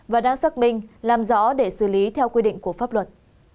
và đã xác minh làm rõ để xử lý theo quy định của pháp luật